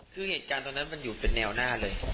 คือเหตุการณ์ตรงนั้นมันอยู่เป็นแนวหน้าเลย